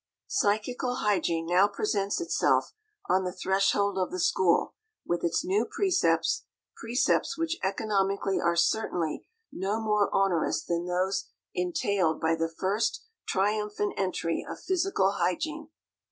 Psychical hygiene now presents itself on the threshold of the school with its new precepts, precepts which economically are certainly no more onerous than those entailed by the first triumphant entry of physical hygiene.